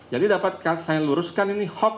jadi dapat saya luruskan ini hoax